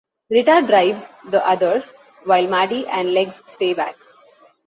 Rita drives the others, while Maddie and Legs stay back.